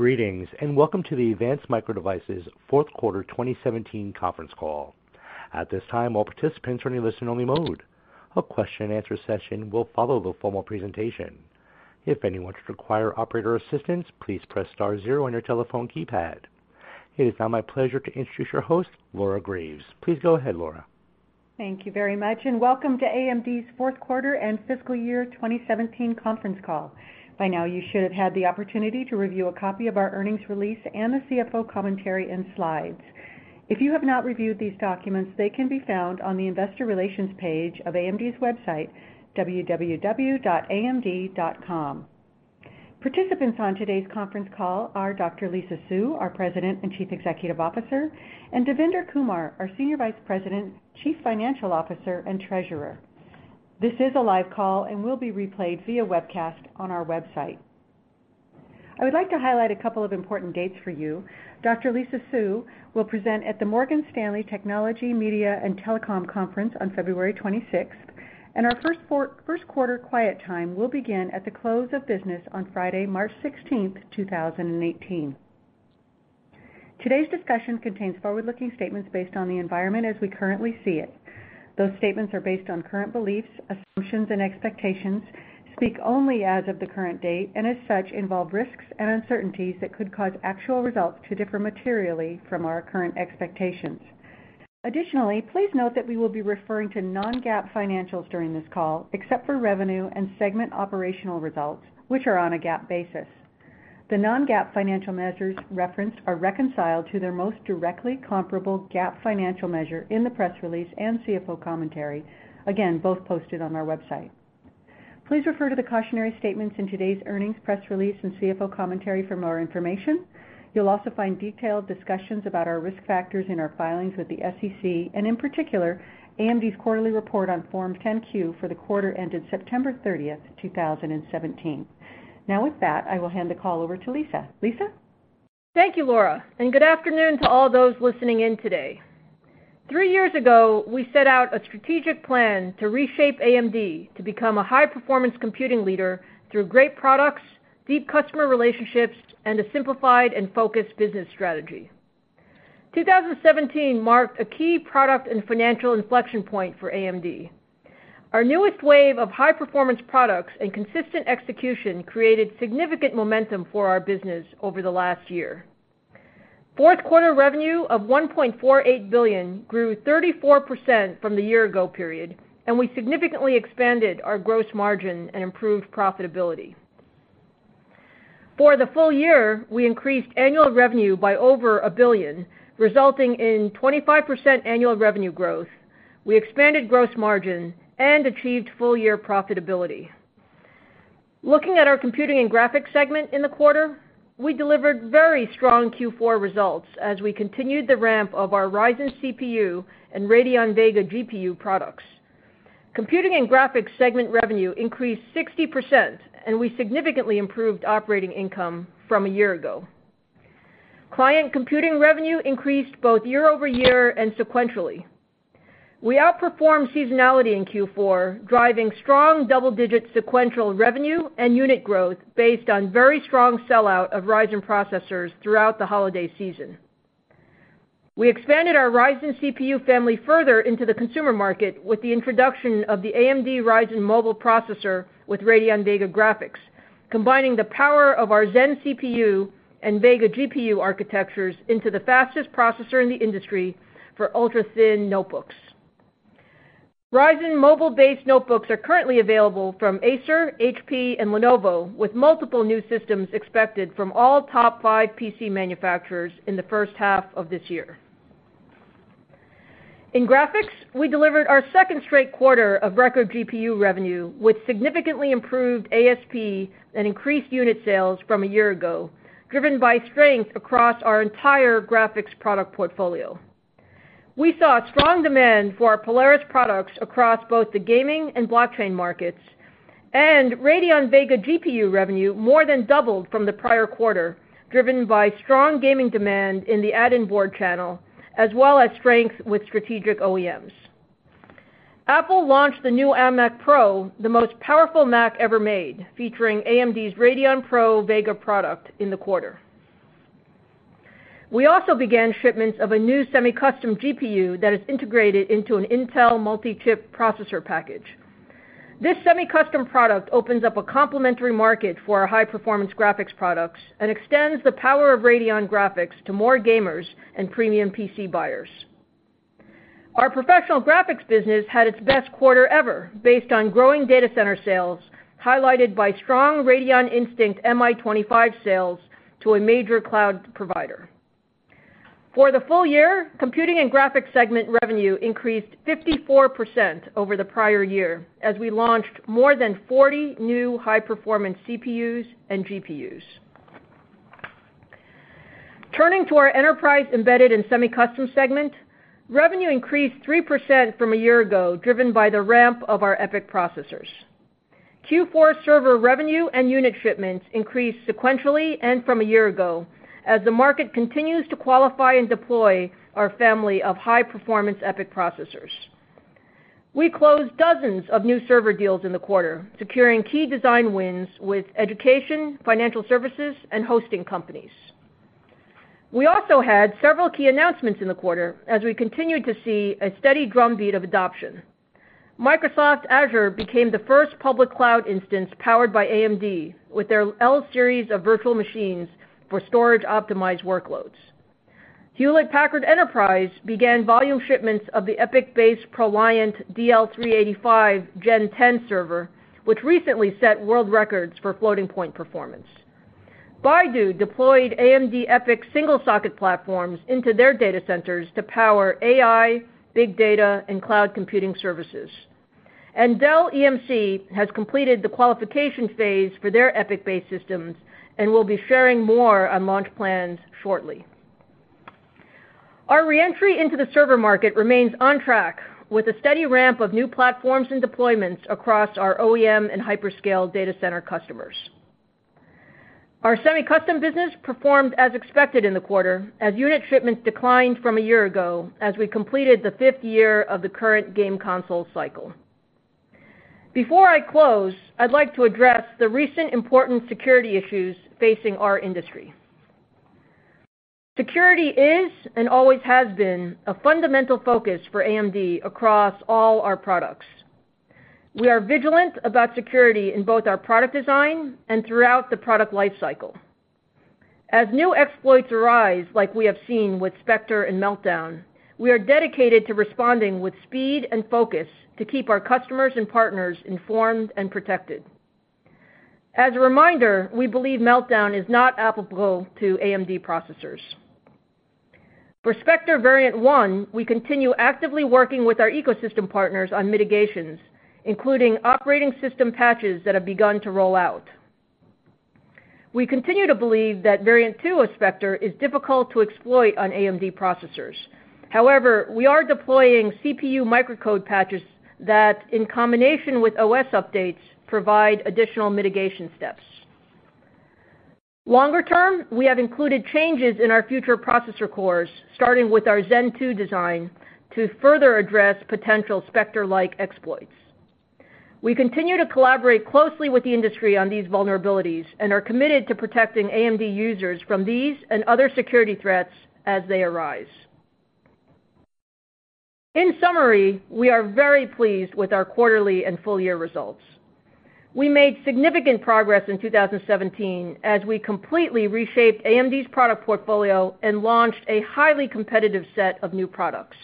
Greetings, and welcome to the Advanced Micro Devices fourth quarter 2017 conference call. At this time, all participants are in listen-only mode. A question-and-answer session will follow the formal presentation. If anyone should require operator assistance, please press star zero on your telephone keypad. It is now my pleasure to introduce your host, Laura Graves. Please go ahead, Laura. Thank you very much, and welcome to AMD's fourth quarter and fiscal year 2017 conference call. By now, you should have had the opportunity to review a copy of our earnings release and the CFO commentary and slides. If you have not reviewed these documents, they can be found on the investor relations page of amd.com. Participants on today's conference call are Dr. Lisa Su, our President and Chief Executive Officer, and Devinder Kumar, our Senior Vice President, Chief Financial Officer, and Treasurer. This is a live call and will be replayed via webcast on our website. I would like to highlight a couple of important dates for you. Dr. Lisa Su will present at the Morgan Stanley Technology, Media & Telecom Conference on February 26th, and our first quarter quiet time will begin at the close of business on Friday, March 16th, 2018. Today's discussion contains forward-looking statements based on the environment as we currently see it. Those statements are based on current beliefs, assumptions, and expectations, speak only as of the current date, and as such, involve risks and uncertainties that could cause actual results to differ materially from our current expectations. Additionally, please note that we will be referring to non-GAAP financials during this call, except for revenue and segment operational results, which are on a GAAP basis. The non-GAAP financial measures referenced are reconciled to their most directly comparable GAAP financial measure in the press release and CFO commentary, again, both posted on our website. Please refer to the cautionary statements in today's earnings press release and CFO commentary for more information. You'll also find detailed discussions about our risk factors in our filings with the SEC, and in particular, AMD's quarterly report on Form 10-Q for the quarter ended September 30th, 2017. Now with that, I will hand the call over to Lisa. Lisa? Thank you, Laura, and good afternoon to all those listening in today. Three years ago, we set out a strategic plan to reshape AMD to become a high-performance computing leader through great products, deep customer relationships, and a simplified and focused business strategy. 2017 marked a key product and financial inflection point for AMD. Our newest wave of high-performance products and consistent execution created significant momentum for our business over the last year. Fourth quarter revenue of $1.48 billion grew 34% from the year-ago period, and we significantly expanded our gross margin and improved profitability. For the full year, we increased annual revenue by over a billion, resulting in 25% annual revenue growth. We expanded gross margin and achieved full-year profitability. Looking at our Computing and Graphics segment in the quarter, we delivered very strong Q4 results as we continued the ramp of our Ryzen CPU and Radeon Vega GPU products. Computing and Graphics segment revenue increased 60%, and we significantly improved operating income from a year-ago. Client computing revenue increased both year-over-year and sequentially. We outperformed seasonality in Q4, driving strong double-digit sequential revenue and unit growth based on very strong sell-out of Ryzen processors throughout the holiday season. We expanded our Ryzen CPU family further into the consumer market with the introduction of the AMD Ryzen Mobile processor with Radeon Vega graphics, combining the power of our Zen CPU and Vega GPU architectures into the fastest processor in the industry for ultrathin notebooks. Ryzen Mobile-based notebooks are currently available from Acer, HP, and Lenovo, with multiple new systems expected from all top five PC manufacturers in the first half of this year. In graphics, we delivered our second straight quarter of record GPU revenue with significantly improved ASP and increased unit sales from a year-ago, driven by strength across our entire graphics product portfolio. We saw strong demand for our Polaris products across both the gaming and blockchain markets, and Radeon Vega GPU revenue more than doubled from the prior quarter, driven by strong gaming demand in the add-in board channel, as well as strength with strategic OEMs. Apple launched the new iMac Pro, the most powerful Mac ever made, featuring AMD's Radeon Pro Vega product in the quarter. We also began shipments of a new semi-custom GPU that is integrated into an Intel multi-chip processor package. This semi-custom product opens up a complementary market for our high-performance graphics products and extends the power of Radeon graphics to more gamers and premium PC buyers. Our professional graphics business had its best quarter ever based on growing data center sales, highlighted by strong Radeon Instinct MI25 sales to a major cloud provider. For the full year, Computing and Graphics segment revenue increased 54% over the prior year as we launched more than 40 new high-performance CPUs and GPUs. Turning to our Enterprise, Embedded, and Semi-Custom segment, revenue increased 3% from a year-ago, driven by the ramp of our EPYC processors. Q4 server revenue and unit shipments increased sequentially and from a year-ago as the market continues to qualify and deploy our family of high-performance EPYC processors. We closed dozens of new server deals in the quarter, securing key design wins with education, financial services, and hosting companies. We also had several key announcements in the quarter as we continued to see a steady drumbeat of adoption. Microsoft Azure became the first public cloud instance powered by AMD with their L-Series of virtual machines for storage optimized workloads. Hewlett Packard Enterprise began volume shipments of the EPYC-based ProLiant DL385 Gen10 server, which recently set world records for floating point performance. Baidu deployed AMD EPYC single socket platforms into their data centers to power AI, big data, and cloud computing services. Dell EMC has completed the qualification phase for their EPYC-based systems and will be sharing more on launch plans shortly. Our re-entry into the server market remains on track with a steady ramp of new platforms and deployments across our OEM and hyperscale data center customers. Our semi-custom business performed as expected in the quarter as unit shipments declined from a year ago, as we completed the fifth year of the current game console cycle. Before I close, I'd like to address the recent important security issues facing our industry. Security is and always has been a fundamental focus for AMD across all our products. We are vigilant about security in both our product design and throughout the product life cycle. As new exploits arise, like we have seen with Spectre and Meltdown, we are dedicated to responding with speed and focus to keep our customers and partners informed and protected. As a reminder, we believe Meltdown is not applicable to AMD processors. For Spectre Variant One, we continue actively working with our ecosystem partners on mitigations, including operating system patches that have begun to roll out. We continue to believe that Variant Two of Spectre is difficult to exploit on AMD processors. However, we are deploying CPU microcode patches that, in combination with OS updates, provide additional mitigation steps. Longer term, we have included changes in our future processor cores, starting with our Zen 2 design to further address potential Spectre-like exploits. We continue to collaborate closely with the industry on these vulnerabilities and are committed to protecting AMD users from these and other security threats as they arise. In summary, we are very pleased with our quarterly and full-year results. We made significant progress in 2017 as we completely reshaped AMD's product portfolio and launched a highly competitive set of new products.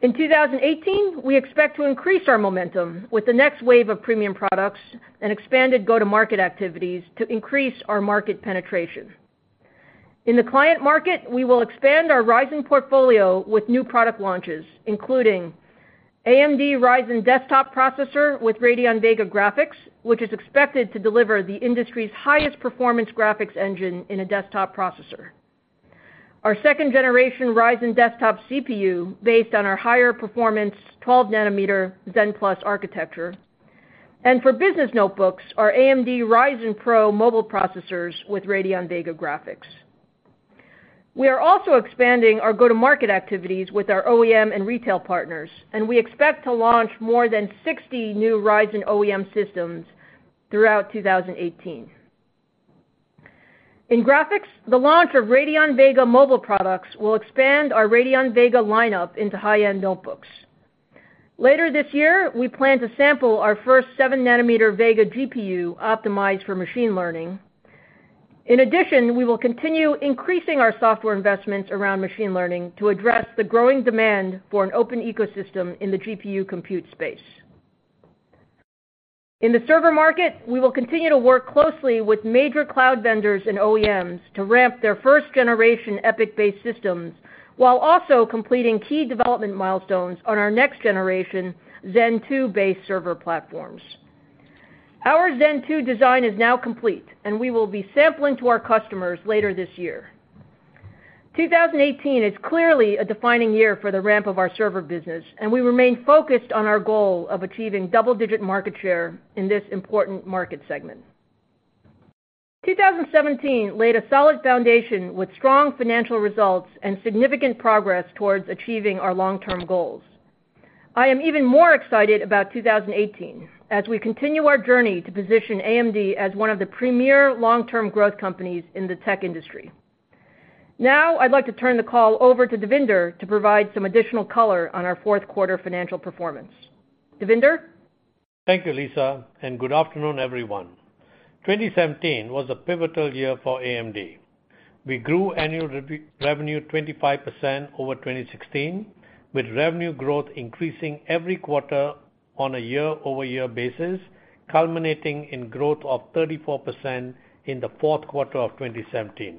In 2018, we expect to increase our momentum with the next wave of premium products and expanded go-to-market activities to increase our market penetration. In the client market, we will expand our Ryzen portfolio with new product launches, including AMD Ryzen desktop processor with Radeon Vega graphics, which is expected to deliver the industry's highest performance graphics engine in a desktop processor. Our second generation Ryzen desktop CPU, based on our higher performance 12 nanometer Zen+ architecture, and for business notebooks, our AMD Ryzen PRO mobile processors with Radeon Vega graphics. We are also expanding our go-to-market activities with our OEM and retail partners, and we expect to launch more than 60 new Ryzen OEM systems throughout 2018. In graphics, the launch of Radeon Vega mobile products will expand our Radeon Vega lineup into high-end notebooks. Later this year, we plan to sample our first 7 nanometer Vega GPU optimized for machine learning. We will continue increasing our software investments around machine learning to address the growing demand for an open ecosystem in the GPU compute space. In the server market, we will continue to work closely with major cloud vendors and OEMs to ramp their first-generation EPYC-based systems, while also completing key development milestones on our next generation Zen 2-based server platforms. Our Zen 2 design is now complete, and we will be sampling to our customers later this year. 2018 is clearly a defining year for the ramp of our server business, and we remain focused on our goal of achieving double-digit market share in this important market segment. 2017 laid a solid foundation with strong financial results and significant progress towards achieving our long-term goals. I am even more excited about 2018 as we continue our journey to position AMD as one of the premier long-term growth companies in the tech industry. I'd like to turn the call over to Devinder to provide some additional color on our fourth quarter financial performance. Devinder? Thank you, Lisa, and good afternoon, everyone. 2017 was a pivotal year for AMD. We grew annual revenue 25% over 2016, with revenue growth increasing every quarter on a year-over-year basis, culminating in growth of 34% in the fourth quarter of 2017.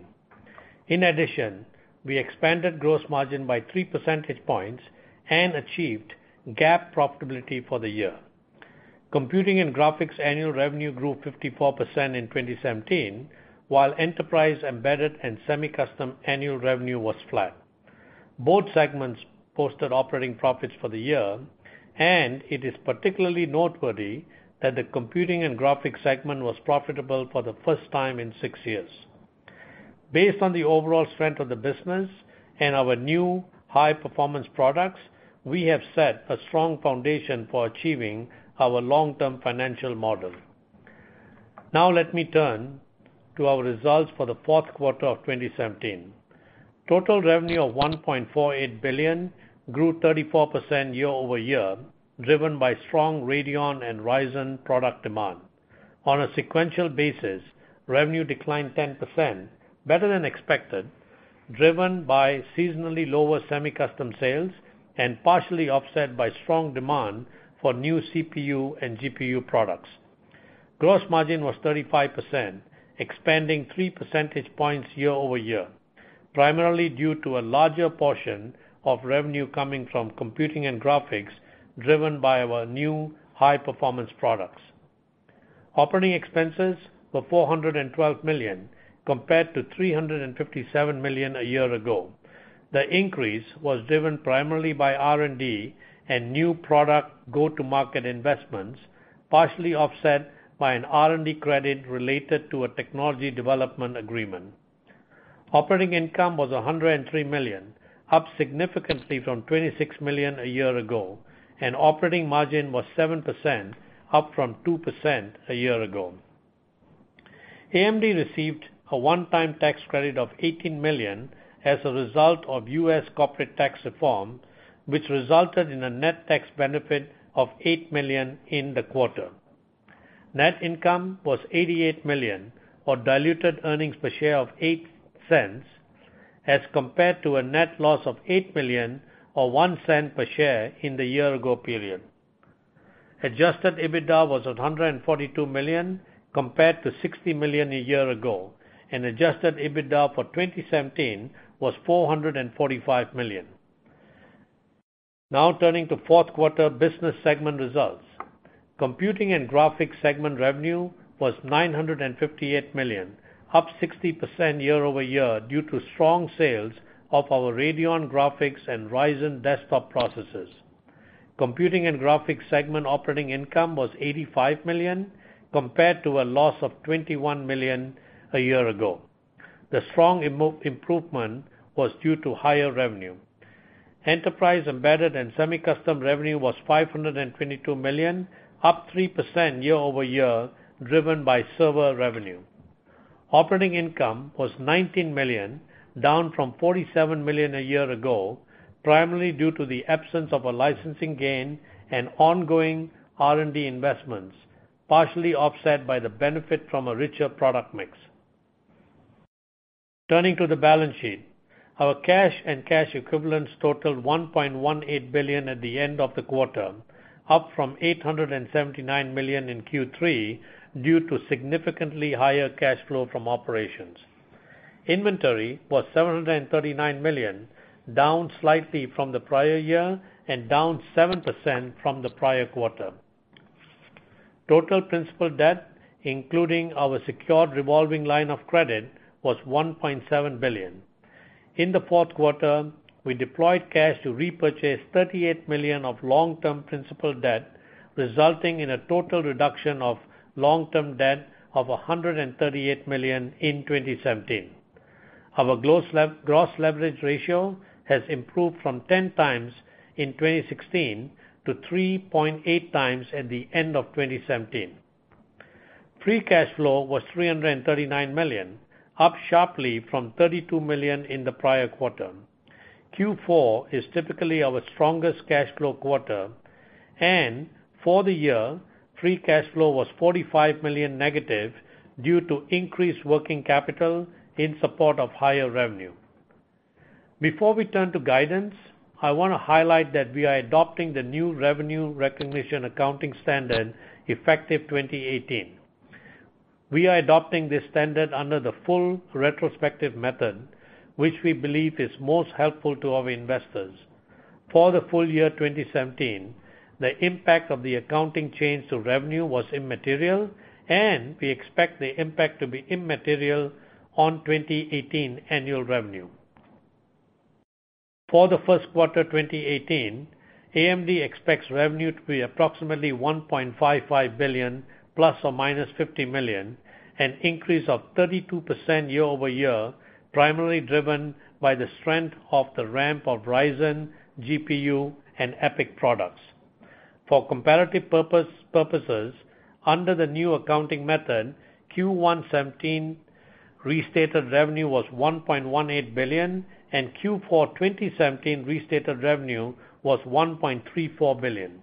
We expanded gross margin by three percentage points and achieved GAAP profitability for the year. Computing and Graphics annual revenue grew 54% in 2017, while Enterprise, Embedded and Semi-Custom annual revenue was flat. Both segments posted operating profits for the year, and it is particularly noteworthy that the Computing and Graphics segment was profitable for the first time in six years. Based on the overall strength of the business and our new high-performance products, we have set a strong foundation for achieving our long-term financial model. Let me turn to our results for the fourth quarter of 2017. Total revenue of $1.48 billion grew 34% year-over-year, driven by strong Radeon and Ryzen product demand. On a sequential basis, revenue declined 10%, better than expected, driven by seasonally lower semi-custom sales and partially offset by strong demand for new CPU and GPU products. Gross margin was 35%, expanding three percentage points year-over-year, primarily due to a larger portion of revenue coming from Computing and Graphics, driven by our new high-performance products. Operating expenses were $412 million, compared to $357 million a year ago. The increase was driven primarily by R&D and new product go-to-market investments, partially offset by an R&D credit related to a technology development agreement. Operating income was $103 million, up significantly from $26 million a year ago, and operating margin was 7%, up from 2% a year ago. AMD received a one-time tax credit of $18 million as a result of U.S. corporate tax reform, which resulted in a net tax benefit of $8 million in the quarter. Net income was $88 million, or diluted earnings per share of $0.08, as compared to a net loss of $8 million or $0.01 per share in the year ago period. Adjusted EBITDA was $142 million, compared to $60 million a year ago, and adjusted EBITDA for 2017 was $445 million. Turning to fourth quarter business segment results. Computing and Graphics segment revenue was $958 million, up 60% year-over-year due to strong sales of our Radeon graphics and Ryzen desktop processors. Computing and Graphics segment operating income was $85 million, compared to a loss of $21 million a year ago. The strong improvement was due to higher revenue. Enterprise, Embedded and Semi-Custom revenue was $522 million, up 3% year-over-year driven by server revenue. Operating income was $19 million, down from $47 million a year ago, primarily due to the absence of a licensing gain and ongoing R&D investments, partially offset by the benefit from a richer product mix. Turning to the balance sheet. Our cash and cash equivalents totaled $1.18 billion at the end of the quarter, up from $879 million in Q3 due to significantly higher cash flow from operations. Inventory was $739 million, down slightly from the prior year and down 7% from the prior quarter. Total principal debt, including our secured revolving line of credit, was $1.7 billion. In the fourth quarter, we deployed cash to repurchase $38 million of long-term principal debt, resulting in a total reduction of long-term debt of $138 million in 2017. Our gross leverage ratio has improved from 10 times in 2016 to 3.8 times at the end of 2017. Free cash flow was $339 million, up sharply from $32 million in the prior quarter. Q4 is typically our strongest cash flow quarter, and for the year, free cash flow was $45 million negative due to increased working capital in support of higher revenue. Before we turn to guidance, I want to highlight that we are adopting the new revenue recognition accounting standard effective 2018. We are adopting this standard under the full retrospective method, which we believe is most helpful to our investors. For the full year 2017, the impact of the accounting change to revenue was immaterial, and we expect the impact to be immaterial on 2018 annual revenue. For the first quarter 2018, AMD expects revenue to be approximately $1.55 billion, ±$50 million, an increase of 32% year-over-year, primarily driven by the strength of the ramp of Ryzen, GPU, and EPYC products. For comparative purposes, under the new accounting method, Q1 2017 restated revenue was $1.18 billion, and Q4 2017 restated revenue was $1.34 billion.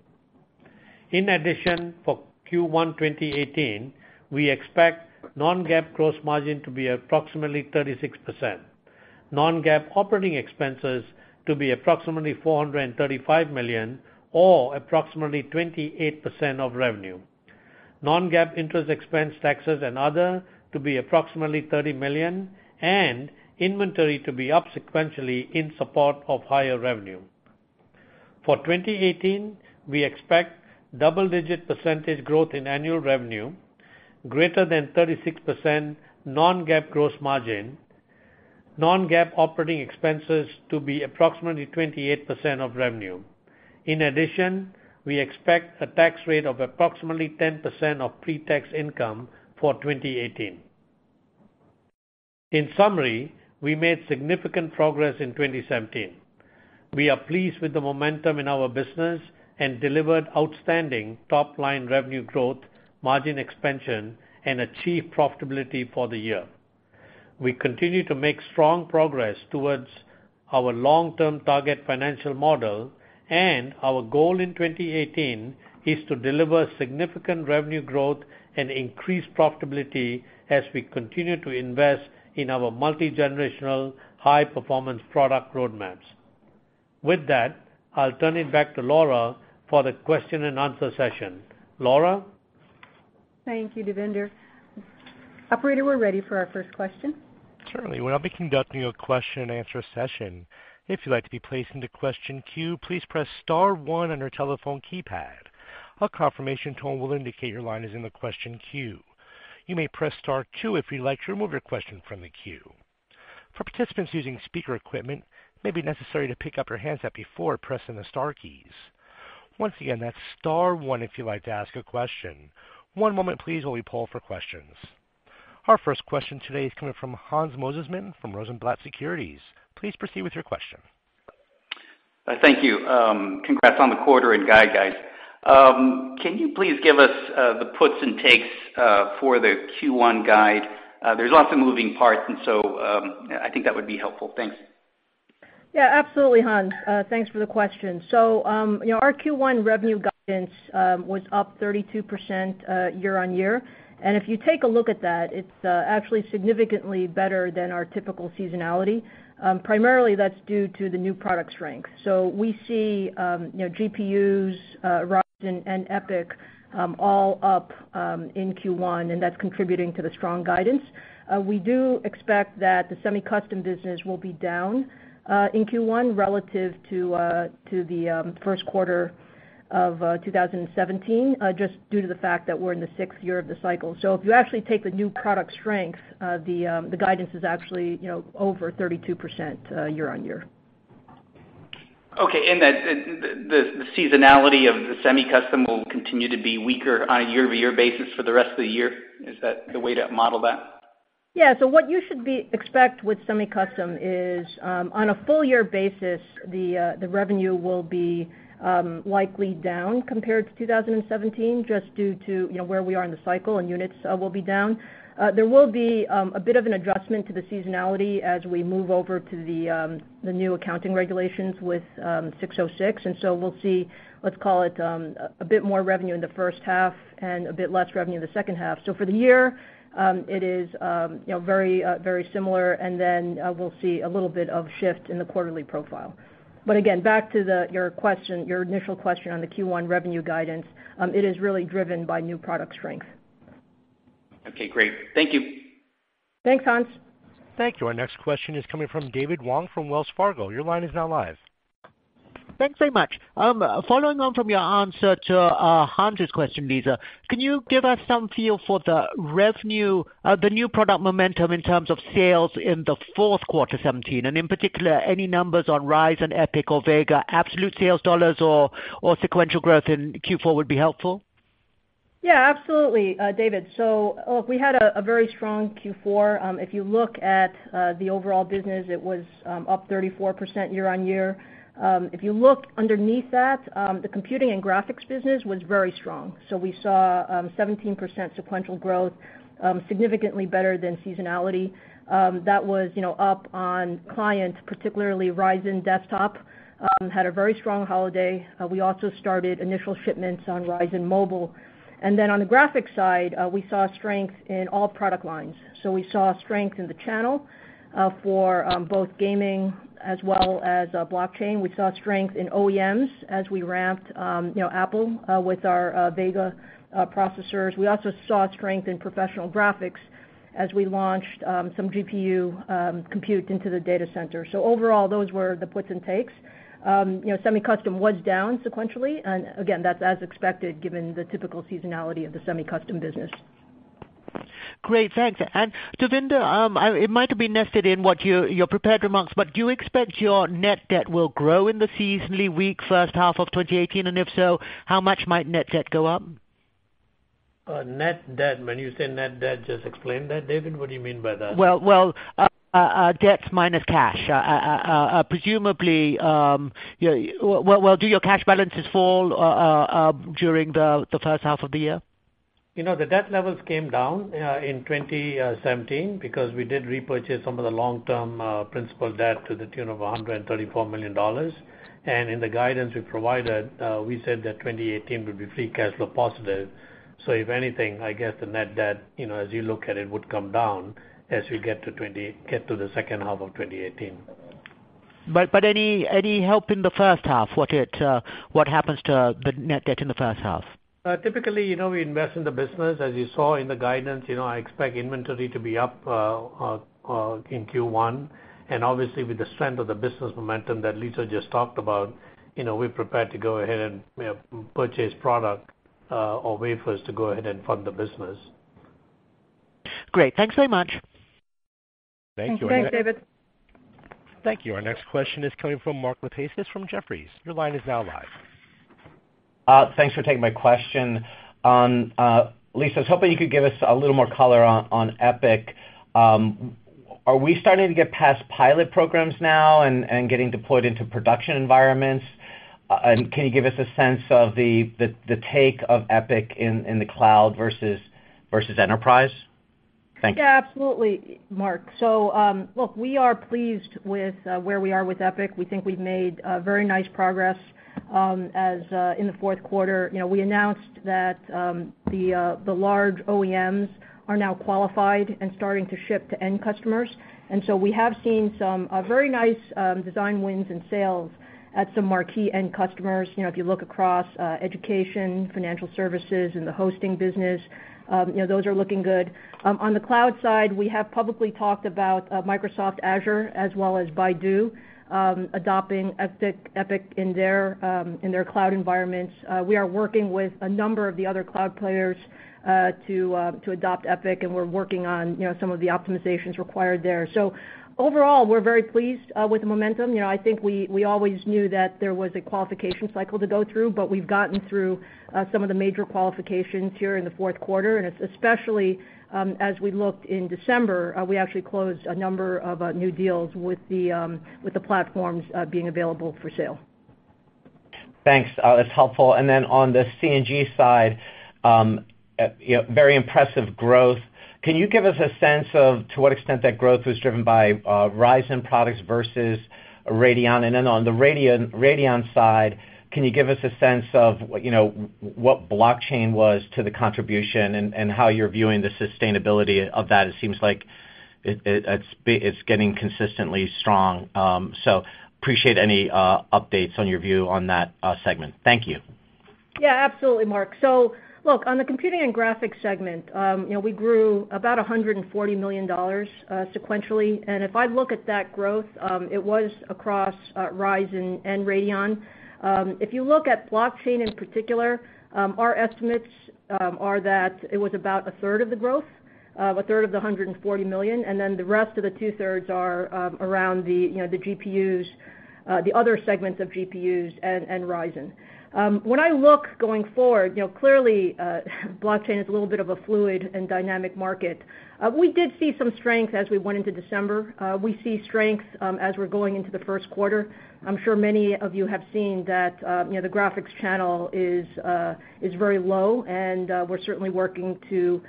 In addition, for Q1 2018, we expect non-GAAP gross margin to be approximately 36%, non-GAAP operating expenses to be approximately $435 million or approximately 28% of revenue, non-GAAP interest expense, taxes and other to be approximately $30 million, and inventory to be up sequentially in support of higher revenue. For 2018, we expect double-digit percentage growth in annual revenue, greater than 36% non-GAAP gross margin, non-GAAP operating expenses to be approximately 28% of revenue. In addition, we expect a tax rate of approximately 10% of pre-tax income for 2018. In summary, we made significant progress in 2017. We are pleased with the momentum in our business and delivered outstanding top-line revenue growth, margin expansion, and achieved profitability for the year. We continue to make strong progress towards our long-term target financial model. Our goal in 2018 is to deliver significant revenue growth and increase profitability as we continue to invest in our multi-generational high-performance product roadmaps. With that, I'll turn it back to Laura for the question and answer session. Laura? Thank you, Devinder. Operator, we're ready for our first question. Certainly. We'll now be conducting a question and answer session. If you'd like to be placed into question queue, please press star one on your telephone keypad. A confirmation tone will indicate your line is in the question queue. You may press star two if you'd like to remove your question from the queue. For participants using speaker equipment, it may be necessary to pick up your handset before pressing the star keys. Once again, that's star one if you'd like to ask a question. One moment please while we poll for questions. Our first question today is coming from Hans Mosesmann from Rosenblatt Securities. Please proceed with your question. Thank you. Congrats on the quarter and guide, guys. Can you please give us the puts and takes for the Q1 guide? There's lots of moving parts. I think that would be helpful. Thanks. Absolutely, Hans. Thanks for the question. Our Q1 revenue guidance was up 32% year-on-year, and if you take a look at that, it's actually significantly better than our typical seasonality. Primarily that's due to the new product strength. We see GPUs, Ryzen, and EPYC all up in Q1, and that's contributing to the strong guidance. We do expect that the semi-custom business will be down in Q1 relative to the first quarter of 2017, just due to the fact that we're in the sixth year of the cycle. If you actually take the new product strength, the guidance is actually over 32% year-on-year. Okay. The seasonality of the semi-custom will continue to be weaker on a year-over-year basis for the rest of the year. Is that the way to model that? What you should expect with semi-custom is, on a full year basis, the revenue will be likely down compared to 2017 just due to where we are in the cycle and units will be down. There will be a bit of an adjustment to the seasonality as we move over to the new accounting regulations with 606. We'll see, let's call it, a bit more revenue in the first half and a bit less revenue in the second half. For the year, it is very similar and then we'll see a little bit of shift in the quarterly profile. Again, back to your initial question on the Q1 revenue guidance, it is really driven by new product strength. Okay, great. Thank you. Thanks, Hans. Thank you. Our next question is coming from David Wong from Wells Fargo. Your line is now live. Thanks very much. Following on from your answer to Hans' question, Lisa, can you give us some feel for the new product momentum in terms of sales in the fourth quarter 2017? In particular, any numbers on Ryzen, EPYC, or Vega, absolute sales dollars or sequential growth in Q4 would be helpful. Yeah, absolutely David. We had a very strong Q4. If you look at the overall business, it was up 34% year-on-year. If you look underneath that, the computing and graphics business was very strong. We saw 17% sequential growth, significantly better than seasonality. That was up on clients, particularly Ryzen desktop, had a very strong holiday. We also started initial shipments on Ryzen Mobile. On the graphics side, we saw strength in all product lines. We saw strength in the channel, for both gaming as well as blockchain. We saw strength in OEMs as we ramped Apple with our Vega processors. We also saw strength in professional graphics as we launched some GPU compute into the data center. Overall, those were the puts and takes. Semi-custom was down sequentially. Again, that's as expected given the typical seasonality of the semi-custom business. Devinder, it might have been nested in your prepared remarks, but do you expect your net debt will grow in the seasonally weak first half of 2018? If so, how much might net debt go up? Net debt. When you say net debt, just explain that, David, what do you mean by that? Debt minus cash. Presumably, will do your cash balances fall during the first half of the year? The debt levels came down in 2017 because we did repurchase some of the long-term principal debt to the tune of $134 million. In the guidance we provided, we said that 2018 would be free cash flow positive. If anything, I guess the net debt, as you look at it, would come down as we get to the second half of 2018. Any help in the first half? What happens to the net debt in the first half? Typically, we invest in the business, as you saw in the guidance. I expect inventory to be up in Q1. Obviously with the strength of the business momentum that Lisa just talked about, we're prepared to go ahead and purchase product or wafers to go ahead and fund the business. Great. Thanks so much. Thank you. Thanks, David. Thank you. Our next question is coming from Mark Lipacis from Jefferies. Your line is now live. Thanks for taking my question. Lisa, I was hoping you could give us a little more color on EPYC. Are we starting to get past pilot programs now and getting deployed into production environments? Can you give us a sense of the take of EPYC in the cloud versus enterprise? Thanks. Yeah, absolutely, Mark. Look, we are pleased with where we are with EPYC. We think we've made very nice progress. In the fourth quarter, we announced that the large OEMs are now qualified and starting to ship to end customers. We have seen some very nice design wins and sales at some marquee end customers. If you look across education, financial services, and the hosting business, those are looking good. On the cloud side, we have publicly talked about Microsoft Azure as well as Baidu adopting EPYC in their cloud environments. We are working with a number of the other cloud players to adopt EPYC, and we're working on some of the optimizations required there. Overall, we're very pleased with the momentum. I think we always knew that there was a qualification cycle to go through, but we've gotten through some of the major qualifications here in the fourth quarter. Especially as we looked in December, we actually closed a number of new deals with the platforms being available for sale. Thanks. That's helpful. Then on the C&G side, very impressive growth. Can you give us a sense of to what extent that growth was driven by Ryzen products versus Radeon? Then on the Radeon side, can you give us a sense of what blockchain was to the contribution and how you're viewing the sustainability of that? It seems like it's getting consistently strong. Appreciate any updates on your view on that segment. Thank you. Yeah, absolutely Mark. Look, on the computing and graphics segment, we grew about $140 million sequentially. If I look at that growth, it was across Ryzen and Radeon. If you look at blockchain in particular, our estimates are that it was about a third of the growth, a third of the $140 million, then the rest of the two-thirds are around the other segments of GPUs and Ryzen. When I look going forward, clearly, blockchain is a little bit of a fluid and dynamic market. We did see some strength as we went into December. We see strength as we're going into the first quarter. I'm sure many of you have seen that the graphics channel is very low, and we're certainly working to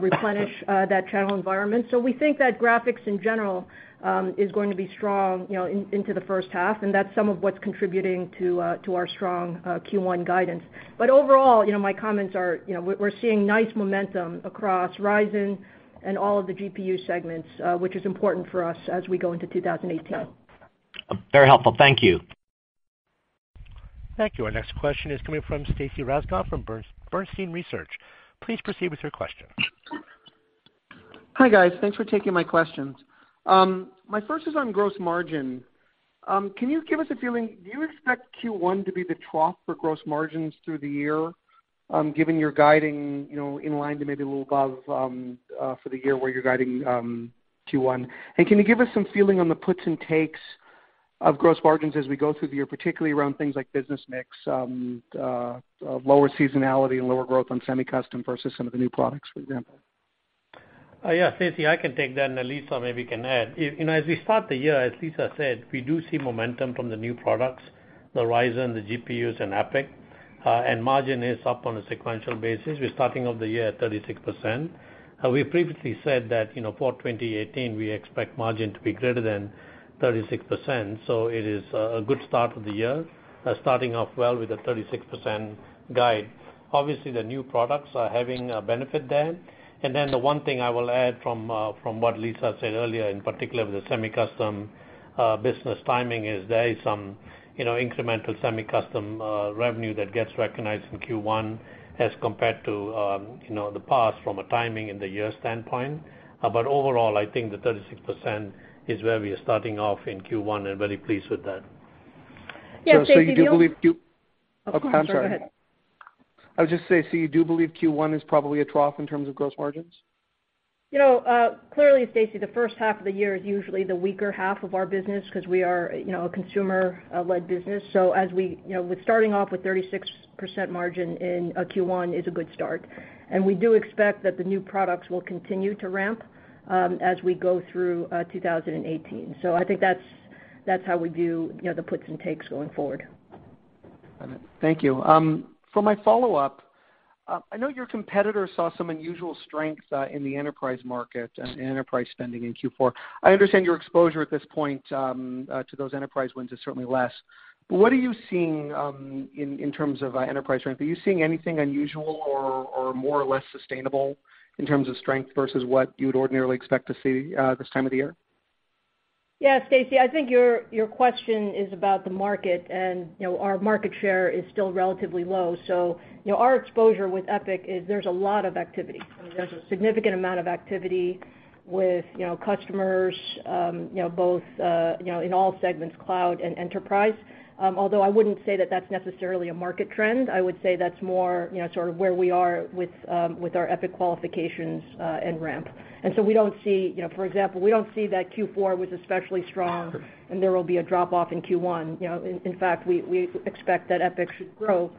replenish that channel environment. We think that graphics in general is going to be strong into the first half, and that's some of what's contributing to our strong Q1 guidance. Overall, my comments are, we're seeing nice momentum across Ryzen and all of the GPU segments, which is important for us as we go into 2018. Very helpful. Thank you. Thank you. Our next question is coming from Stacy Rasgon from Bernstein Research. Please proceed with your question. Hi, guys. Thanks for taking my questions. My first is on gross margin. Can you give us a feeling, do you expect Q1 to be the trough for gross margins through the year, given you're guiding in line to maybe a little above for the year where you're guiding Q1? Can you give us some feeling on the puts and takes of gross margins as we go through the year, particularly around things like business mix and lower seasonality and lower growth on semi-custom versus some of the new products, for example? Yeah, Stacy, I can take that, and then Lisa maybe can add. As we start the year, as Lisa said, we do see momentum from the new products, the Ryzen, the GPUs, and EPYC. Margin is up on a sequential basis. We're starting off the year at 36%. We previously said that for 2018, we expect margin to be greater than 36%, so it is a good start of the year, starting off well with a 36% guide. Obviously, the new products are having a benefit there. The one thing I will add from what Lisa said earlier, in particular with the semi-custom business timing, is there is some incremental semi-custom revenue that gets recognized in Q1 as compared to the past from a timing in the year standpoint. Overall, I think the 36% is where we are starting off in Q1 and very pleased with that. Yeah, Stacy, do you. Do you believe? Oh, I'm sorry. Oh, go ahead. I would just say, you do believe Q1 is probably a trough in terms of gross margins? Clearly, Stacy, the first half of the year is usually the weaker half of our business because we are a consumer-led business. Starting off with 36% margin in Q1 is a good start. We do expect that the new products will continue to ramp as we go through 2018. I think that's how we view the puts and takes going forward. Got it. Thank you. For my follow-up, I know your competitors saw some unusual strength in the enterprise market and enterprise spending in Q4. I understand your exposure at this point to those enterprise wins is certainly less, but what are you seeing in terms of enterprise strength? Are you seeing anything unusual or more or less sustainable in terms of strength versus what you would ordinarily expect to see this time of the year? Yeah, Stacy, I think your question is about the market, and our market share is still relatively low. Our exposure with EPYC is there's a lot of activity. There's a significant amount of activity with customers both in all segments, cloud and enterprise. Although I wouldn't say that that's necessarily a market trend, I would say that's more sort of where we are with our EPYC qualifications and ramp. For example, we don't see that Q4 was especially strong and there will be a drop-off in Q1. In fact, we expect that EPYC should grow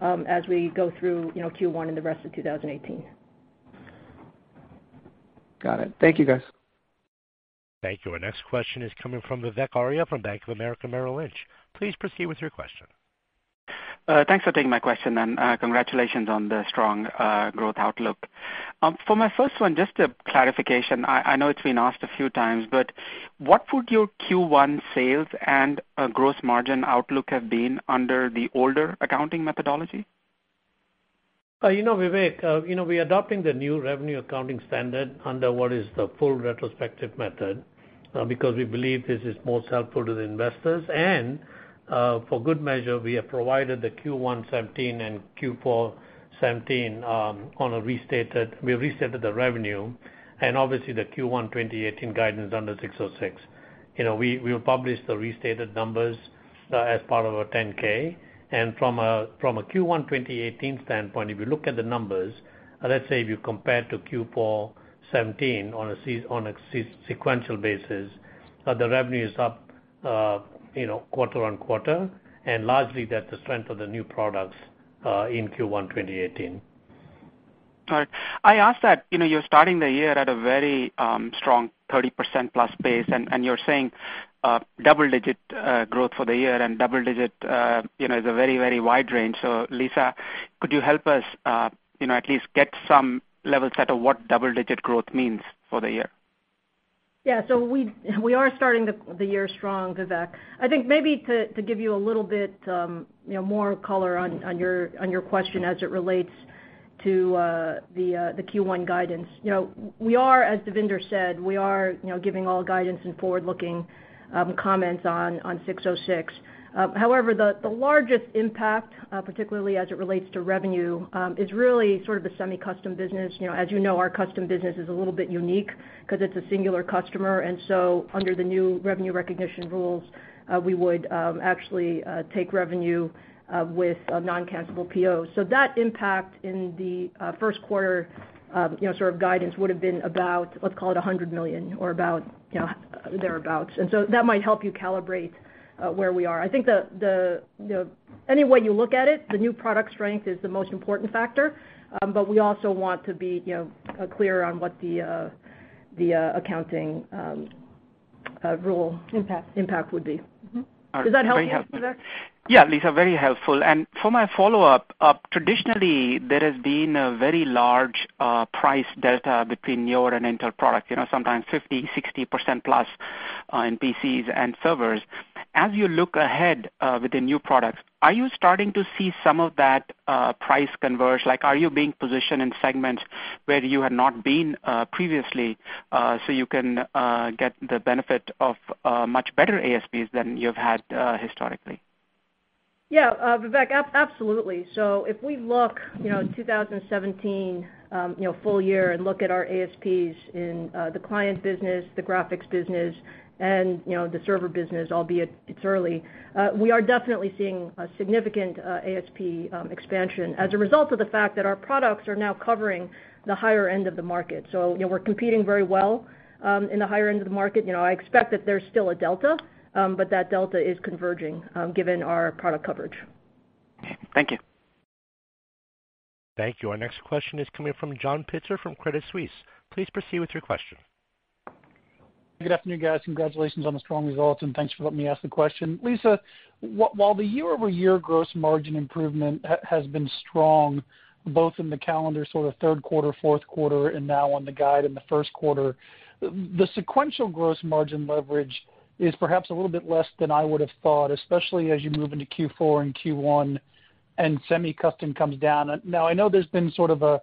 as we go through Q1 and the rest of 2018. Got it. Thank you, guys. Thank you. Our next question is coming from Vivek Arya from Bank of America Merrill Lynch. Please proceed with your question. Thanks for taking my question. Congratulations on the strong growth outlook. For my first one, just a clarification, I know it's been asked a few times, but what would your Q1 sales and gross margin outlook have been under the older accounting methodology? Vivek, we're adopting the new revenue accounting standard under what is the full retrospective method because we believe this is most helpful to the investors. For good measure, we have provided the Q1 2017 and Q4 2017. We restated the revenue, and obviously the Q1 2018 guidance under 606. We'll publish the restated numbers as part of our 10-K. From a Q1 2018 standpoint, if you look at the numbers, let's say if you compare to Q4 2017 on a sequential basis, the revenue is up quarter-on-quarter. Largely that's the strength of the new products in Q1 2018. All right. I asked that, you're starting the year at a very strong 30%+ base, you're saying double-digit growth for the year, double-digit is a very wide range. Lisa, could you help us at least get some level set of what double-digit growth means for the year? Yeah. We are starting the year strong, Vivek. I think maybe to give you a little bit more color on your question as it relates to the Q1 guidance. As Devinder said, we are giving all guidance and forward-looking comments on 606. However, the largest impact, particularly as it relates to revenue, is really sort of the semi-custom business. As you know, our custom business is a little bit unique because it's a singular customer, under the new revenue recognition rules, we would actually take revenue with non-cancellable POs. That impact in the first quarter sort of guidance would've been about, let's call it $100 million or thereabouts. That might help you calibrate where we are. Any way you look at it, the new product strength is the most important factor. We also want to be clear on what the accounting rule- Impact impact would be. Does that help, Vivek? Yeah, Lisa, very helpful. For my follow-up, traditionally there has been a very large price delta between your and Intel product, sometimes 50%-60%+ in PCs and servers. As you look ahead with the new products, are you starting to see some of that price converge? Are you being positioned in segments where you had not been previously, so you can get the benefit of much better ASPs than you've had historically? Yeah. Vivek, absolutely. If we look 2017 full year and look at our ASPs in the client business, the graphics business, and the server business, albeit it's early, we are definitely seeing a significant ASP expansion as a result of the fact that our products are now covering the higher end of the market. We're competing very well in the higher end of the market. I expect that there's still a delta, but that delta is converging given our product coverage. Thank you. Thank you. Our next question is coming from John Pitzer from Credit Suisse. Please proceed with your question. Good afternoon, guys. Congratulations on the strong results, and thanks for letting me ask the question. Lisa, while the year-over-year gross margin improvement has been strong, both in the calendar sort of third quarter, fourth quarter, and now on the guide in the first quarter, the sequential gross margin leverage is perhaps a little bit less than I would've thought, especially as you move into Q4 and Q1 and semi-custom comes down. I know there's been sort of a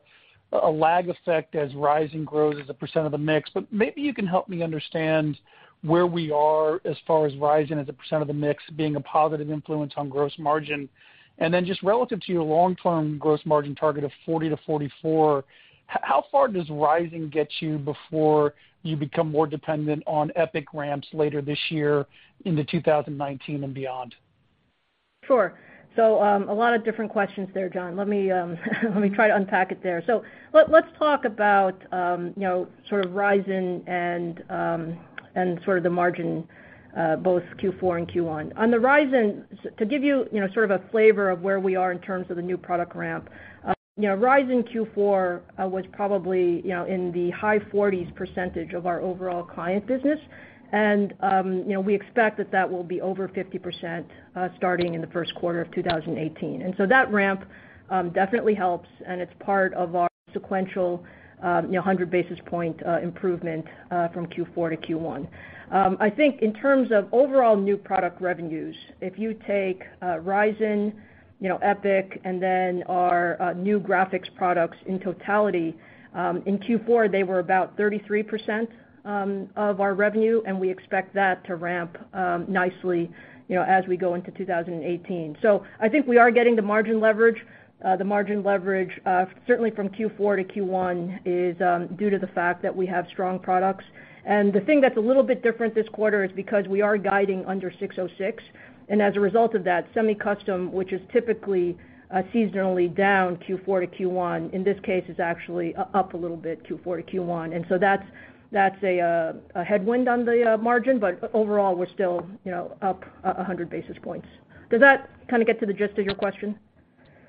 lag effect as Ryzen grows as a % of the mix, but maybe you can help me understand where we are as far as Ryzen as a % of the mix being a positive influence on gross margin. relative to your long-term gross margin target of 40%-44%, how far does Ryzen get you before you become more dependent on EPYC ramps later this year into 2019 and beyond? Sure. A lot of different questions there, John. Let me try to unpack it there. Let's talk about sort of Ryzen and sort of the margin, both Q4 and Q1. On the Ryzen, to give you sort of a flavor of where we are in terms of the new product ramp, Ryzen Q4 was probably in the high 40s% of our overall client business, and we expect that that will be over 50% starting in the first quarter of 2018. That ramp definitely helps, and it's part of our sequential 100 basis point improvement from Q4 to Q1. I think in terms of overall new product revenues, if you take Ryzen, EPYC, and then our new graphics products in totality, in Q4, they were about 33% of our revenue, and we expect that to ramp nicely as we go into 2018. I think we are getting the margin leverage. The margin leverage, certainly from Q4 to Q1, is due to the fact that we have strong products. The thing that's a little bit different this quarter is because we are guiding under 606, and as a result of that, semi-custom, which is typically seasonally down Q4 to Q1, in this case, is actually up a little bit Q4 to Q1. That's a headwind on the margin, but overall, we're still up 100 basis points. Does that kind of get to the gist of your question?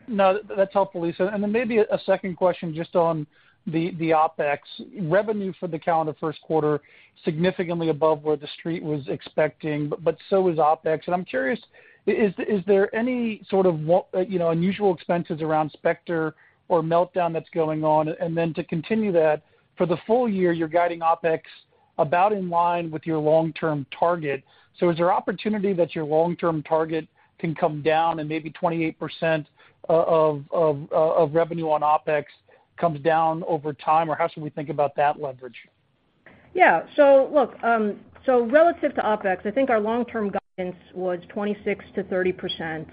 No, that's helpful, Lisa. Maybe a second question just on the OpEx. Revenue for the calendar first quarter, significantly above where the street was expecting, but so is OpEx. I'm curious, is there any sort of unusual expenses around Spectre or Meltdown that's going on? To continue that, for the full year, you're guiding OpEx about in line with your long-term target. Is there opportunity that your long-term target can come down and maybe 28% of revenue on OpEx comes down over time? Or how should we think about that leverage? Relative to OpEx, I think our long-term guidance was 26%-30%.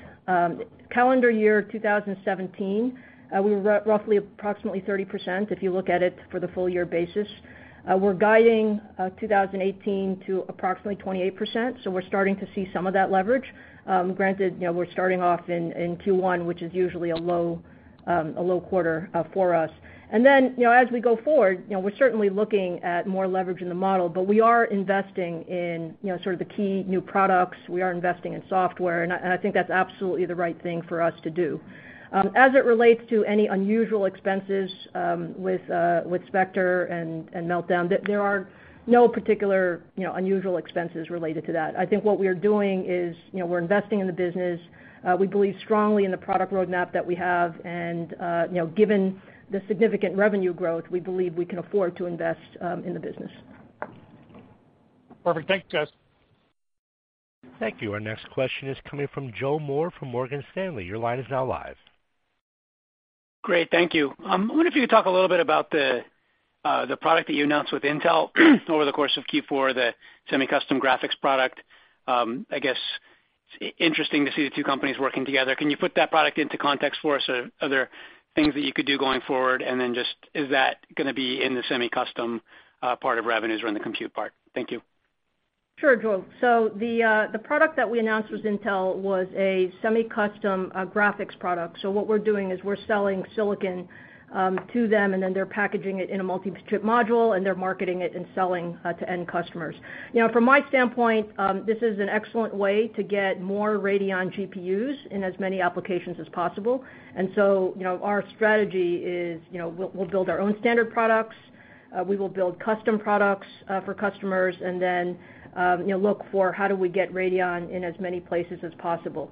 Calendar year 2017, we were approximately 30%, if you look at it for the full-year basis. We're guiding 2018 to approximately 28%. We're starting to see some of that leverage. Granted, we're starting off in Q1, which is usually a low quarter for us. As we go forward, we're certainly looking at more leverage in the model. We are investing in sort of the key new products. We are investing in software. I think that's absolutely the right thing for us to do. As it relates to any unusual expenses with Spectre and Meltdown, there are no particular unusual expenses related to that. I think what we are doing is we're investing in the business. We believe strongly in the product roadmap that we have. Given the significant revenue growth, we believe we can afford to invest in the business. Perfect. Thanks, guys. Thank you. Our next question is coming from Joe Moore from Morgan Stanley. Your line is now live. Great. Thank you. I wonder if you could talk a little bit about the product that you announced with Intel over the course of Q4, the semi-custom graphics product. I guess it's interesting to see the two companies working together. Can you put that product into context for us? Are there things that you could do going forward? Is that going to be in the semi-custom part of revenues or in the compute part? Thank you. Sure, Joe. The product that we announced with Intel was a semi-custom graphics product. What we're doing is we're selling silicon to them, they're packaging it in a multi-chip module, they're marketing it and selling to end customers. From my standpoint, this is an excellent way to get more Radeon GPUs in as many applications as possible. Our strategy is we'll build our own standard products, we will build custom products for customers, look for how do we get Radeon in as many places as possible.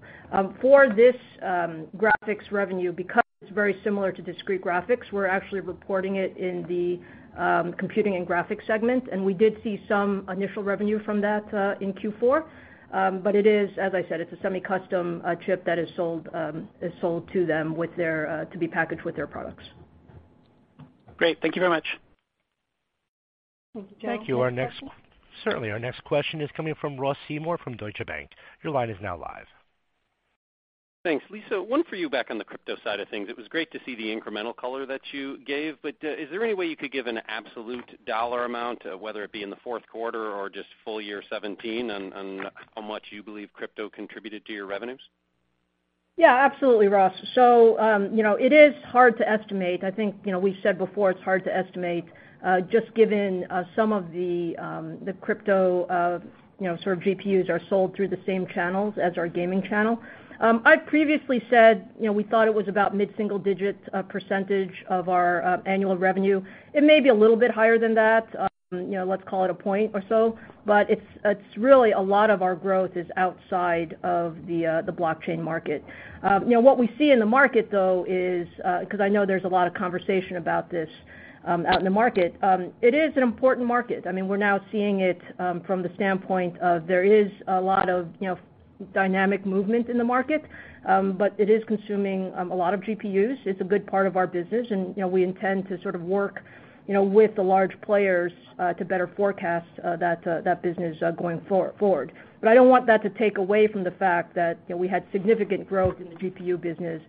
For this graphics revenue, because it's very similar to discrete graphics, we're actually reporting it in the Computing and Graphics Segment, we did see some initial revenue from that in Q4. It is, as I said, it's a semi-custom chip that is sold to them to be packaged with their products. Great. Thank you very much. Thank you. Thank you, Joe. Certainly. Our next question is coming from Ross Seymore from Deutsche Bank. Your line is now live. Thanks. Lisa, one for you back on the crypto side of things. It was great to see the incremental color that you gave. Is there any way you could give an absolute dollar amount, whether it be in the fourth quarter or just full year 2017 on how much you believe crypto contributed to your revenues? Yeah, absolutely, Ross. It is hard to estimate. I think we said before, it's hard to estimate, just given some of the crypto sort of GPUs are sold through the same channels as our gaming channel. I've previously said we thought it was about mid-single digit % of our annual revenue. It may be a little bit higher than that, let's call it a point or so. It's really a lot of our growth is outside of the blockchain market. What we see in the market, though, is, because I know there's a lot of conversation about this out in the market, it is an important market. We're now seeing it from the standpoint of there is a lot of dynamic movement in the market, but it is consuming a lot of GPUs. It's a good part of our business, and we intend to sort of work with the large players to better forecast that business going forward. I don't want that to take away from the fact that we had significant growth in the GPU business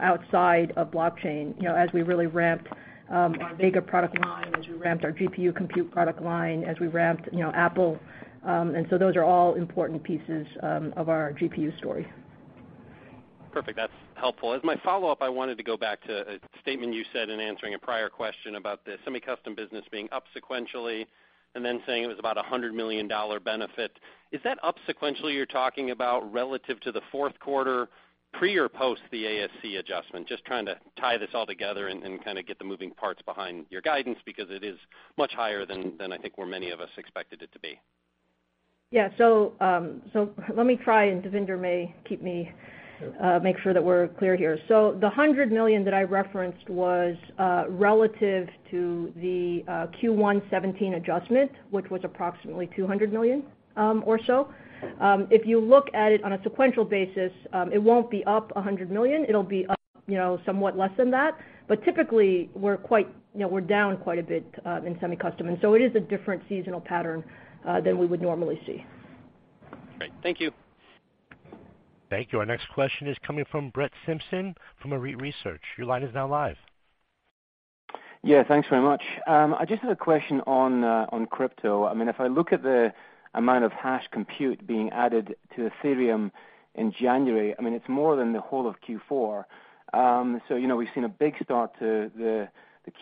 outside of blockchain as we really ramped our Vega product line, as we ramped our GPU compute product line, as we ramped Apple. Those are all important pieces of our GPU story. Perfect. That's helpful. As my follow-up, I wanted to go back to a statement you said in answering a prior question about the semi-custom business being up sequentially and then saying it was about $100 million benefit. Is that up sequentially you're talking about relative to the fourth quarter, pre or post the ASC adjustment? I'm just trying to tie this all together and kind of get the moving parts behind your guidance because it is much higher than I think where many of us expected it to be. Yeah. Let me try, Devinder may make sure that we're clear here. The $100 million that I referenced was relative to the Q1 2017 adjustment, which was approximately $200 million or so. If you look at it on a sequential basis, it won't be up $100 million. It'll be up somewhat less than that. Typically, we're down quite a bit in semi-custom, it is a different seasonal pattern than we would normally see. Great. Thank you. Thank you. Our next question is coming from Brett Simpson from Arete Research. Your line is now live. Yeah, thanks very much. I just have a question on crypto. If I look at the amount of hash compute being added to Ethereum in January, it's more than the whole of Q4. We've seen a big start to the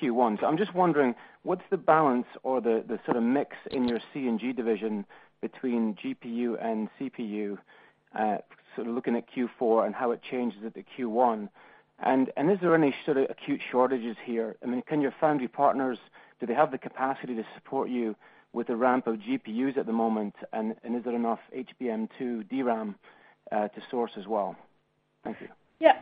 Q1. I'm just wondering, what's the balance or the sort of mix in your C&G division between GPU and CPU, sort of looking at Q4 and how it changes at the Q1? Is there any sort of acute shortages here? Can your foundry partners, do they have the capacity to support you with the ramp of GPUs at the moment, and is there enough HBM2 DRAM to source as well? Yes.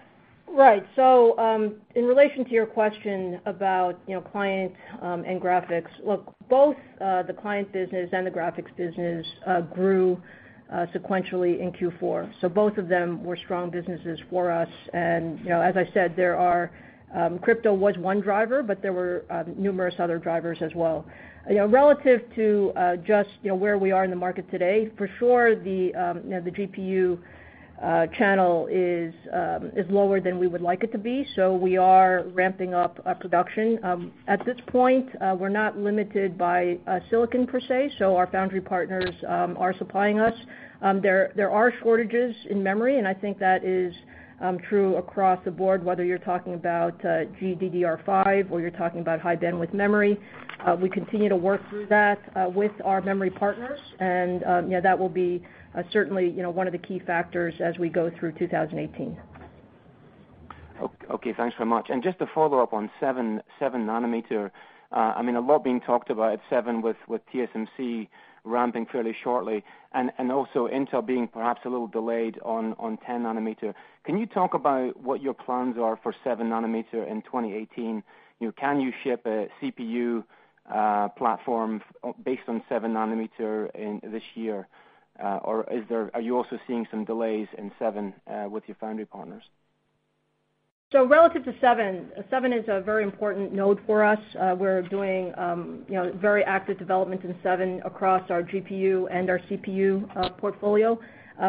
Right. In relation to your question about client and graphics, look, both the client business and the graphics business grew sequentially in Q4. Both of them were strong businesses for us. As I said, crypto was one driver, but there were numerous other drivers as well. Relative to just where we are in the market today, for sure, the GPU channel is lower than we would like it to be. We are ramping up production. At this point, we're not limited by silicon per se, so our foundry partners are supplying us. There are shortages in memory, and I think that is true across the board, whether you're talking about GDDR5 or you're talking about high bandwidth memory. We continue to work through that with our memory partners and that will be certainly one of the key factors as we go through 2018. Okay. Thanks very much. Just to follow up on seven nanometer. A lot being talked about at seven with TSMC ramping fairly shortly, and also Intel being perhaps a little delayed on 10 nanometer. Can you talk about what your plans are for seven nanometer in 2018? Can you ship a CPU platform based on seven nanometer this year? Are you also seeing some delays in seven with your foundry partners? Relative to 7 is a very important node for us. We're doing very active development in 7 across our GPU and our CPU portfolio.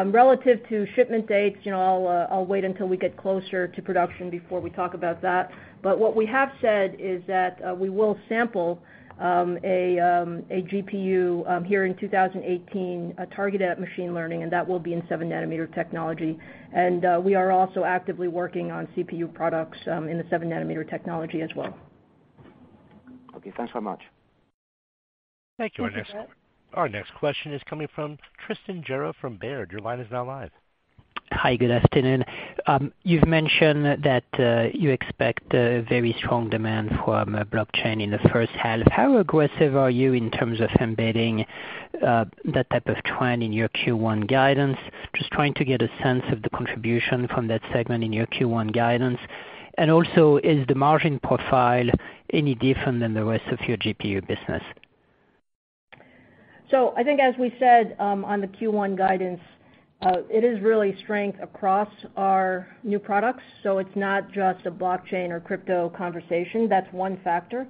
Relative to shipment dates, I'll wait until we get closer to production before we talk about that. What we have said is that we will sample a GPU here in 2018 targeted at machine learning, and that will be in 7-nanometer technology. We are also actively working on CPU products in the 7-nanometer technology as well. Okay. Thanks very much. Thank you. Thank you, Brett. Our next question is coming from Tristan Gerra from Baird. Your line is now live. Hi, good afternoon. You've mentioned that you expect a very strong demand from blockchain in the first half. How aggressive are you in terms of embedding that type of trend in your Q1 guidance? Just trying to get a sense of the contribution from that segment in your Q1 guidance. Also, is the margin profile any different than the rest of your GPU business? I think as we said on the Q1 guidance, it is really strength across our new products. It's not just a blockchain or crypto conversation. That's one factor.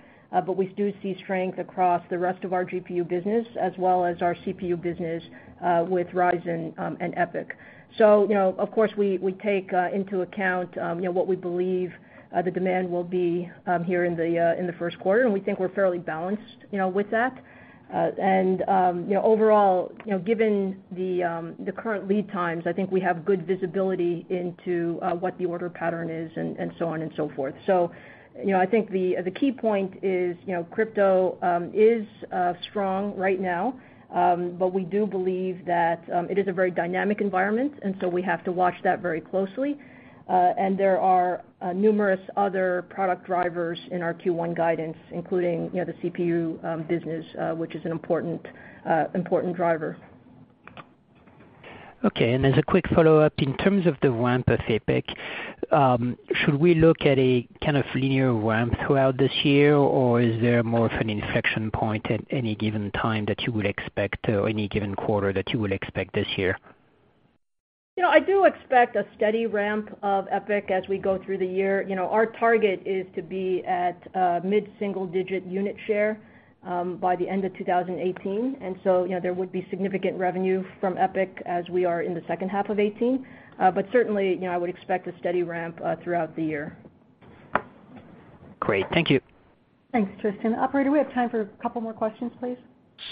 We do see strength across the rest of our GPU business as well as our CPU business with Ryzen and EPYC. Of course, we take into account what we believe the demand will be here in the first quarter, and we think we're fairly balanced with that. Overall, given the current lead times, I think we have good visibility into what the order pattern is, and so on and so forth. I think the key point is crypto is strong right now. We do believe that it is a very dynamic environment, and we have to watch that very closely. There are numerous other product drivers in our Q1 guidance, including the CPU business, which is an important driver. Okay, as a quick follow-up, in terms of the ramp of EPYC, should we look at a kind of linear ramp throughout this year, or is there more of an inflection point at any given time that you would expect, or any given quarter that you would expect this year? I do expect a steady ramp of EPYC as we go through the year. Our target is to be at mid-single-digit unit share by the end of 2018. There would be significant revenue from EPYC as we are in the second half of 2018. Certainly, I would expect a steady ramp throughout the year. Great. Thank you. Thanks, Tristan. Operator, do we have time for a couple more questions, please?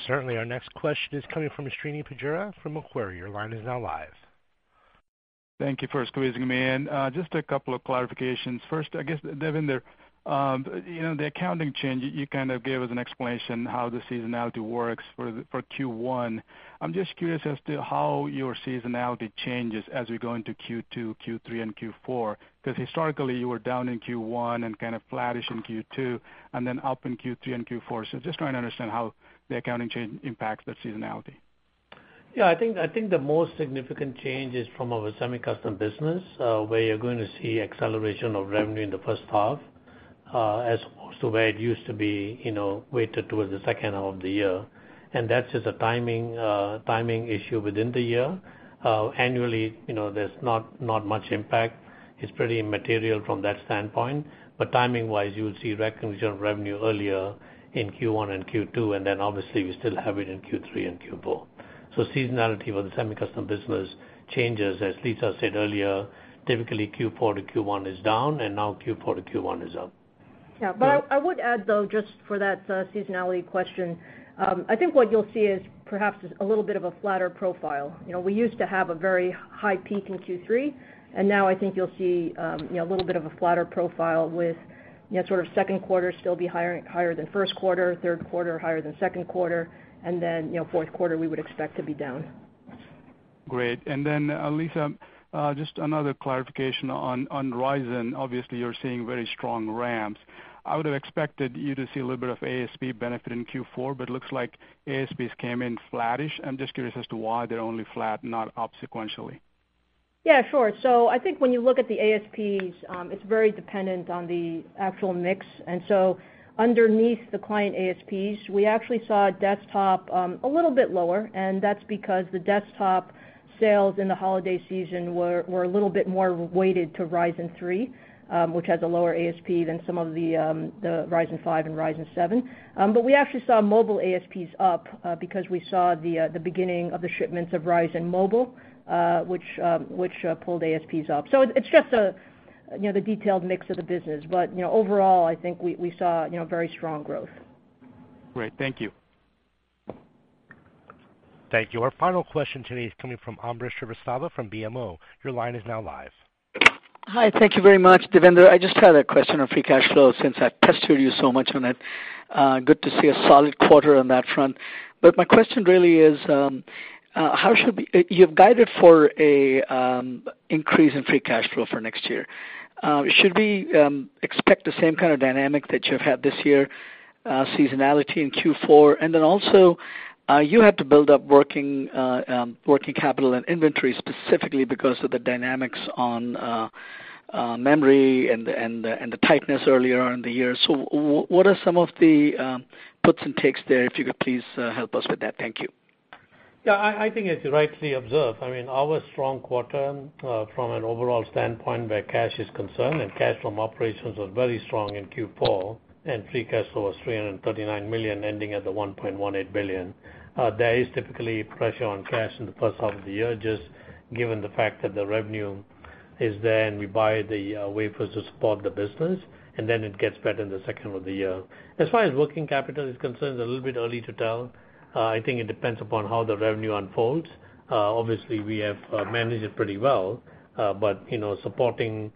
Certainly. Our next question is coming from Srini Pajjuri from Macquarie. Your line is now live. Thank you for squeezing me in. Just a couple of clarifications. First, I guess, Devinder, the accounting change, you kind of gave us an explanation how the seasonality works for Q1. I'm just curious as to how your seasonality changes as we go into Q2, Q3, and Q4, because historically, you were down in Q1 and kind of flattish in Q2, then up in Q3 and Q4. Just trying to understand how the accounting change impacts that seasonality. I think the most significant change is from our semi-custom business, where you're going to see acceleration of revenue in the first half as opposed to where it used to be weighted towards the second half of the year. That's just a timing issue within the year. Annually, there's not much impact. It's pretty immaterial from that standpoint. Timing-wise, you will see recognition of revenue earlier in Q1 and Q2, then obviously we still have it in Q3 and Q4. Seasonality for the semi-custom business changes. As Lisa said earlier, typically Q4 to Q1 is down, and now Q4 to Q1 is up. I would add, though, just for that seasonality question, I think what you'll see is perhaps a little bit of a flatter profile. We used to have a very high peak in Q3, and now I think you'll see a little bit of a flatter profile with second quarter still be higher than first quarter, third quarter higher than second quarter, fourth quarter we would expect to be down. Great. Lisa, just another clarification on Ryzen. Obviously, you're seeing very strong ramps. I would have expected you to see a little bit of ASP benefit in Q4, but looks like ASPs came in flattish. I'm just curious as to why they're only flat, not up sequentially. Yeah, sure. I think when you look at the ASPs, it's very dependent on the actual mix. Underneath the client ASPs, we actually saw desktop a little bit lower, and that's because the desktop sales in the holiday season were a little bit more weighted to Ryzen 3, which has a lower ASP than some of the Ryzen 5 and Ryzen 7. We actually saw mobile ASPs up because we saw the beginning of the shipments of Ryzen Mobile, which pulled ASPs up. It's just the detailed mix of the business. Overall, I think we saw very strong growth. Great. Thank you. Thank you. Our final question today is coming from Ambrish Srivastava from BMO. Your line is now live. Hi. Thank you very much. Devinder, I just had a question on free cash flow since I pester you so much on it. Good to see a solid quarter on that front. My question really is, you've guided for an increase in free cash flow for next year. Should we expect the same kind of dynamic that you've had this year, seasonality in Q4? Also, you had to build up working capital and inventory specifically because of the dynamics on memory and the tightness earlier in the year. What are some of the puts and takes there, if you could please help us with that? Thank you. I think as you rightly observed, our strong quarter from an overall standpoint where cash is concerned and cash from operations was very strong in Q4 and free cash flow was $339 million ending at the $1.18 billion. There is typically pressure on cash in the first half of the year, just given the fact that the revenue is there and we buy the wafers to support the business, and then it gets better in the second of the year. As far as working capital is concerned, it's a little bit early to tell. I think it depends upon how the revenue unfolds. Obviously, we have managed it pretty well, but supporting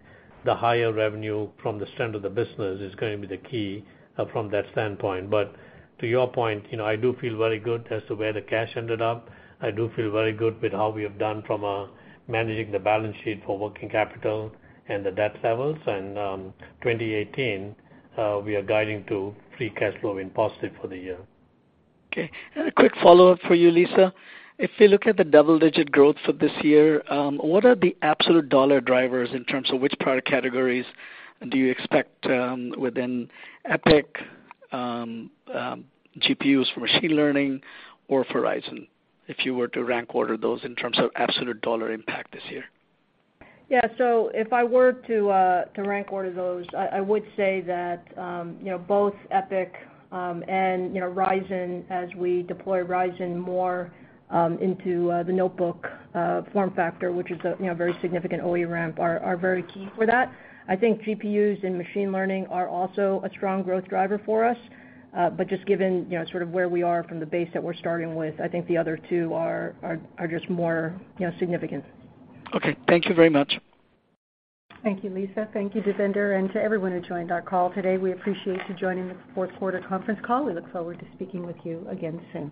the higher revenue from the strength of the business is going to be the key from that standpoint. To your point, I do feel very good as to where the cash ended up. I do feel very good with how we have done from managing the balance sheet for working capital and the debt levels. 2018, we are guiding to free cash flow in positive for the year. Okay. A quick follow-up for you, Lisa. If you look at the double-digit growth for this year, what are the absolute dollar drivers in terms of which product categories do you expect within EPYC, GPUs for machine learning, or for Ryzen? If you were to rank order those in terms of absolute dollar impact this year. Yeah. If I were to rank order those, I would say that both EPYC and Ryzen, as we deploy Ryzen more into the notebook form factor, which is a very significant OE ramp, are very key for that. I think GPUs and machine learning are also a strong growth driver for us. Just given sort of where we are from the base that we're starting with, I think the other two are just more significant. Okay. Thank you very much. Thank you, Lisa. Thank you, Devinder, and to everyone who joined our call today. We appreciate you joining this fourth quarter conference call. We look forward to speaking with you again soon.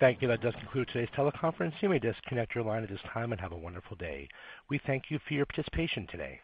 Thank you. That does conclude today's teleconference. You may disconnect your line at this time and have a wonderful day. We thank you for your participation today.